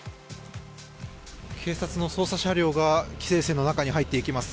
警察の捜査車両が規制線の中に入っていきます。